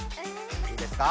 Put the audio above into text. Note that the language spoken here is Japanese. いいですか。